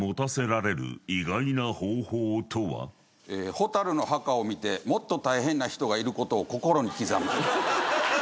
『火垂るの墓』を見てもっと大変な人がいることを心に刻む。